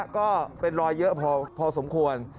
ก็เป็นรอยเยอะพอสมควร